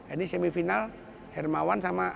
ini semifinal hermawan sama